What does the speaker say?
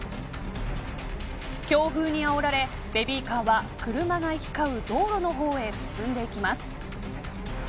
強風にあおられ、ベビーカーは車が行き交う道路の方へ進んでいきます。